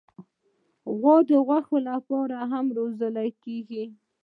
غوا د غوښې لپاره هم روزل کېږي.